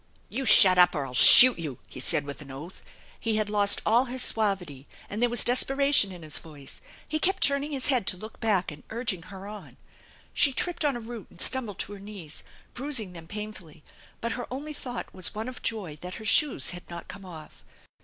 " You shut up or I'll shoot you !" he said with an oath. He had lost all his suavity and there was desperation in his voice. He kept turning his head to look back and urging her on. She tripped on a root and stumbled to her knees, bruising them painfully, but her only thought was one of joy that her shoes had not come off.